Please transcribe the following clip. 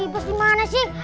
benda dimana si